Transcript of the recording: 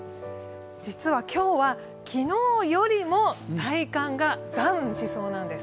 実は今日は昨日よりも体感がダウンしそうなんです。